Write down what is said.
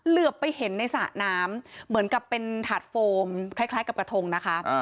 เหลือไปเห็นในสระน้ำเหมือนกับเป็นถาดโฟมคล้ายกับกระทงนะคะ